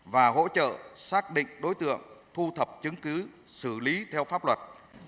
và hỗ trợ xác định đối tượng thu thập chứng cứ xử lý theo pháp luật